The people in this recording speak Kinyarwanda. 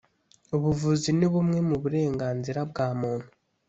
ubuvuzi ni bumwe mu burenganzira bwa muntu